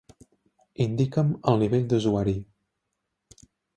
Indica'm el nivell d'usuari.